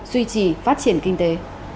duy trì phát triển kinh tế